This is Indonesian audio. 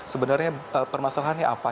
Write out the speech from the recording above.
sebenarnya permasalahannya apa